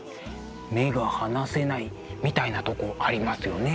目が離せないみたいなとこありますよね。